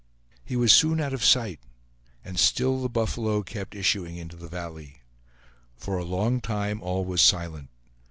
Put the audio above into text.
He was soon out of sight, and still the buffalo kept issuing into the valley. For a long time all was silent.